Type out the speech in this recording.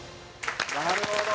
なるほど。